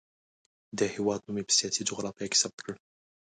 د هېواد نوم یې په سیاسي جغرافیه کې ثبت کړ.